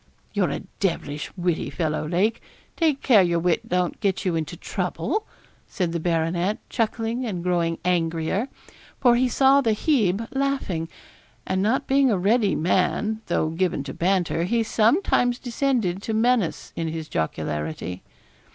'You're a devilish witty fellow, Lake; take care your wit don't get you into trouble,' said the baronet, chuckling and growing angrier, for he saw the Hebe laughing; and not being a ready man, though given to banter, he sometimes descended to menace in his jocularity.